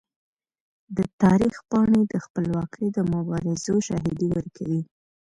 د تاریخ پاڼې د خپلواکۍ د مبارزو شاهدي ورکوي.